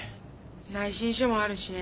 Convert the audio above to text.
内申書もあるしね。